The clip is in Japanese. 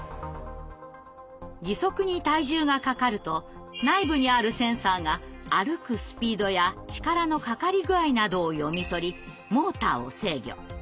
義足に体重がかかると内部にあるセンサーが歩くスピードや力のかかり具合などを読み取りモーターを制御。